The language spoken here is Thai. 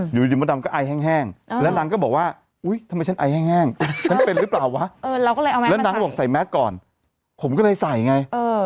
หนูเห็นพี่ใส่หนูก็ใส่ด้วยไง